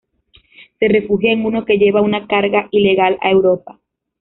Se refugia en uno que lleva una carga ilegal a Europa...